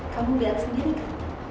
kamu lihat sendiri kan